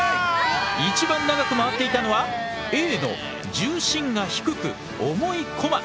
一番長く回っていたのはＡの重心が低く重いコマ。